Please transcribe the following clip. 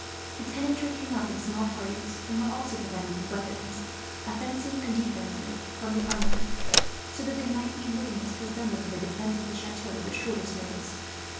The tenantry came up in small parties, and were also provided with weapons, offensive and defensive, from the armoury; so that they might be in readiness to assemble for the defence of the chateau, at the shortest notice.